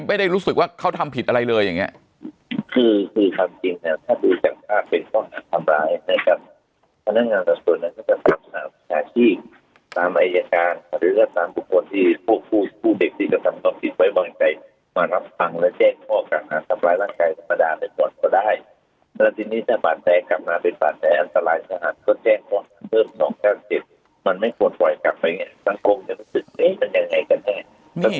ไม่ได้รู้สึกว่าเขาทำผิดอะไรเลยอย่างนี้